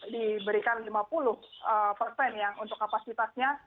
diberikan lima puluh persen ya untuk kapasitasnya